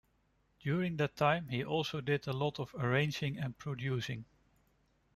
During that time he also did a lot of arranging and producing.